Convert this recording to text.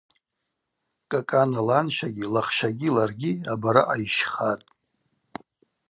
Кӏакӏана ланщагьи лахщагьи Ларгьи абараъа йщхатӏ.